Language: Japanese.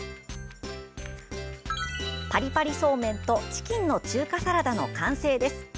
パリパリそうめんとチキンの中華サラダの完成です。